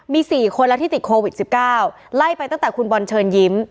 มี๔คนแล้วที่ติดโควิด๑๙ไล่ไปตั้งแต่คุณบอลเชิญยิ้ม